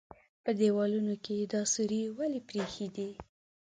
_په دېوالونو کې يې دا سوري ولې پرېښي دي؟